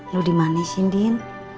lu dimanesin din